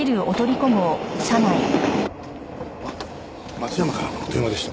松山からの電話でした。